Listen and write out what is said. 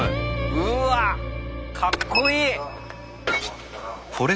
うわっかっこいい！